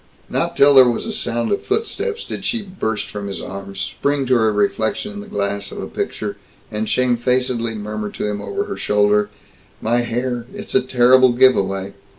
Not till there was a sound of footsteps did she burst from his arms, spring to her reflection in the glass of a picture, and shamefacedly murmur to him over her shoulder, "My hair it's a terrible giveaway!"